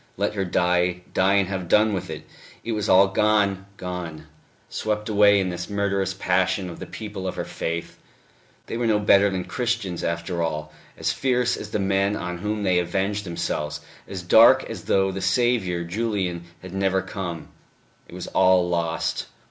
Let her die, die and have done with it! It was all gone, gone, swept away in this murderous passion of the people of her faith ... they were no better than Christians, after all, as fierce as the men on whom they avenged themselves, as dark as though the Saviour, Julian, had never come; it was all lost